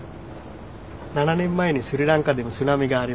７年前にスリランカでも津波がありました。